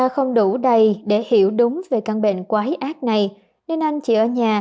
không đủ đầy để hiểu đúng về căn bệnh quái ác này nên anh chỉ ở trong căn nhà trọ đơn sơ vùng